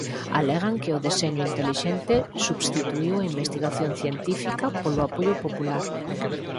Alegan que o deseño intelixente substituíu a investigación científica polo apoio popular.